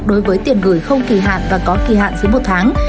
đối với tiền gửi không kỳ hạn và có kỳ hạn dưới một tháng